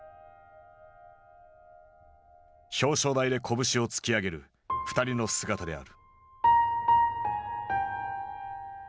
表彰台で拳を突き上げる２人の姿である。